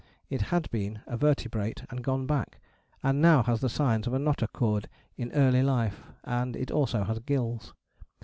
It has been a vertebrate and gone back, and now has the signs of a notochord in early life, and it also has gills.